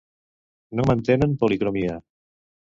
No mantenen policromia.